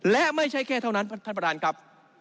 และไม่ใช่แค่เท่านั้นท่านประธานครับ